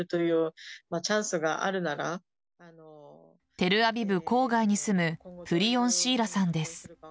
テルアビブ郊外に住むプリオン・シイラさんです。